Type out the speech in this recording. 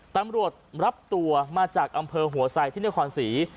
ตำรวจรับตัวมาจากอำเภอหัวไส้ที่เนื้อขอนศรี